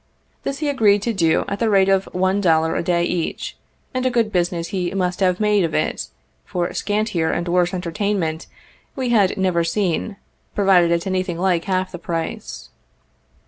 This he agreed to do at the rate of one dollar a day each, and a good business he must have made of it, for scantier and worse entertainment we had never seen provided at anything like half the price.